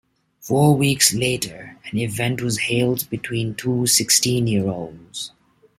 Four weeks later, an event was held between two sixteen-year-olds.